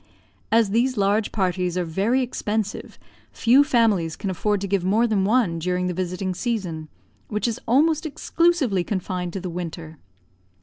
As these large parties are very expensive, few families can afford to give more than one during the visiting season, which is almost exclusively confined to the winter.